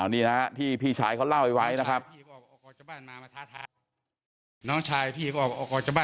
นี่นะที่พี่ชายเขาเล่าไว้นะครับ